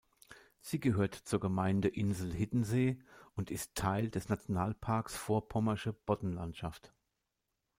Sie gehört zur Gemeinde Insel Hiddensee und ist Teil des Nationalparks Vorpommersche Boddenlandschaft.